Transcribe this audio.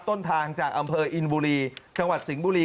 ต้นทางจากอำเภออินบุรีจังหวัดสิงห์บุรี